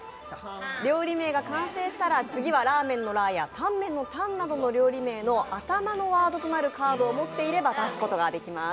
料理名が完成したら次はラーメンの「ラ」やタンメンの「タ」など料理名の頭のワードとなるカードを持っていれば出すことができます。